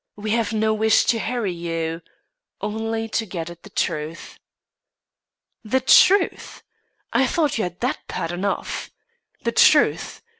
We have no wish to harry you only to get at the truth." "The truth? I thought you had that pat enough. The truth?